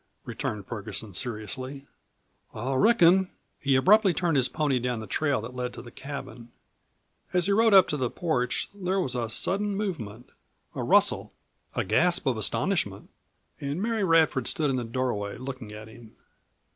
returned Ferguson seriously. "I reckon " He abruptly turned his pony down the trail that led to the cabin. As he rode up to the porch there was a sudden movement, a rustle, a gasp of astonishment, and Mary Radford stood in the doorway looking at him.